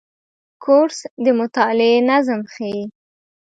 کورس د مطالعې نظم ښيي.